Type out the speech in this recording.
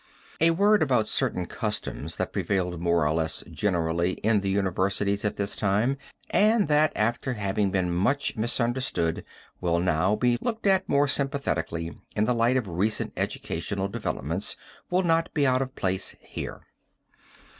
A word about certain customs that prevailed more or less generally in the universities at this time, and that after having been much misunderstood will now be looked at more sympathetically in the light of recent educational developments will not be out of place here.